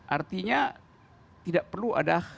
artinya tidak perlu ada